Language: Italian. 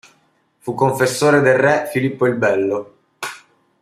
Fu confessore del re Filippo il Bello.